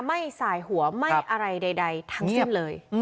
ไม่สายหัวไม่อะไรใดทั้งสิ้นเลย